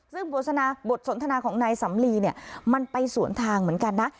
ซึ่งบทสนทนาของนายสำลีเนี่ยมันไปสวนทางเหมือนกันนะ